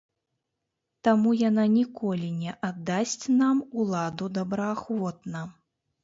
Таму яна ніколі не аддасць нам уладу добраахвотна.